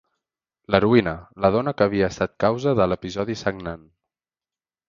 L'heroïna, la dona que havia estat causa de l'episodi sagnant.